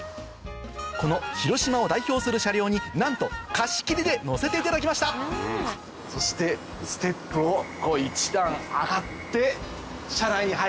この広島を代表する車両になんと貸し切りで乗せていただきましたそしてステップを１段上がって車内に入る。